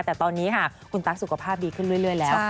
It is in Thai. แต่ตอนนี้ค่ะคุณตั๊กสุขภาพดีขึ้นเรื่อยแล้ว